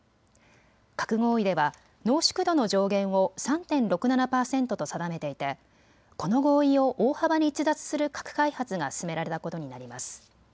核合意では濃縮度の上限を３．６７％と定めていてこの合意を大幅に逸脱する核開発が進められたことになります。